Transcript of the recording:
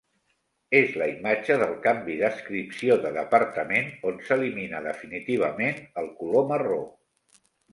És la imatge del canvi d'adscripció de departament, on s'elimina definitivament el color marró.